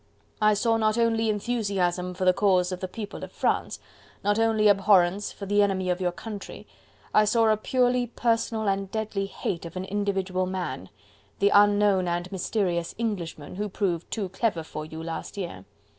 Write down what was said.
I saw not only enthusiasm for the cause of the People of France, not only abhorrence for the enemy of your country, I saw a purely personal and deadly hate of an individual man the unknown and mysterious Englishman who proved too clever for you last year.